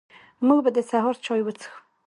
موږ به د سهار چاي وڅښو